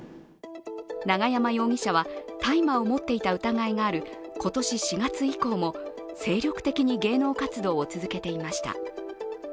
永山容疑者は大麻を持っていた疑いがある今年４月以降も精力的に芸能活動を続けていました。